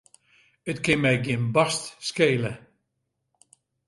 It kin my gjin barst skele.